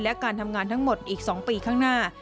และการทำงานทั้งหมดอีก๒ปีข้างหน้า